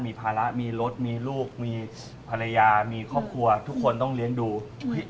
มีภาระมีรถมีลูกมีภรรยามีครอบครัวทุกคนต้องเลี้ยงดู